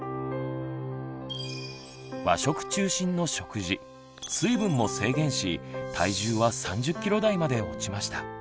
和食中心の食事水分も制限し体重は３０ｋｇ台まで落ちました。